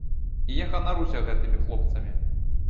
І я ганаруся гэтымі хлопцамі.